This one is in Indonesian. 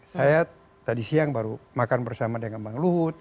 saya tadi siang baru makan bersama dengan bang luhut